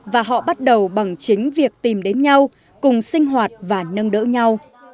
và họ bắt đầu bằng chính việc tìm đến nhau cùng sinh hoạt và nâng đỡ nhau